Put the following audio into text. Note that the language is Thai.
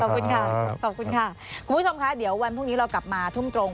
คุณผู้ชมคะเดี๋ยววันพรุ่งนี้เรากลับมาทุ่มกรง